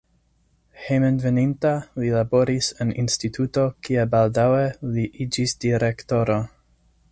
Hejmenveninta li laboris en instituto, kie baldaŭe li iĝis direktoro.